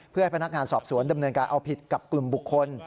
เพื่อให้พนักงานสอบสวนดำเนินการเอาผิดกับกลุ่มบุคคล